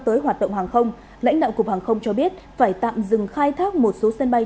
tới hoạt động hàng không lãnh đạo cục hàng không cho biết phải tạm dừng khai thác một số sân bay